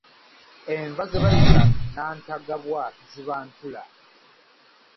Enva ze bayita nantagabwa ziba ntula.